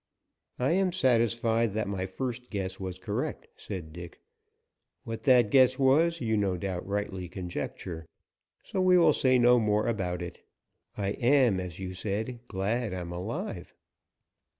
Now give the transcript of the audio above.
"I am satisfied that my first guess was correct," said Dick. "What that guess was, you no doubt rightly conjecture, so we will say no more about it. I am, as you said, glad I'm alive."